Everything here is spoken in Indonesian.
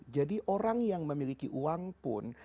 jadi orang yang memiliki uang pun